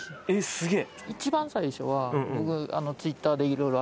すげえ